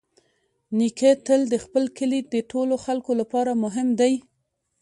نیکه تل د خپل کلي د ټولو خلکو لپاره مهم دی.